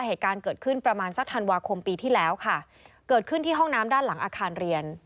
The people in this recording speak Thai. เหตุการณ์เกิดขึ้นประมาณสักธันวาคมปีที่แล้วค่ะเกิดขึ้นที่ห้องน้ำด้านหลังอาคารเรียน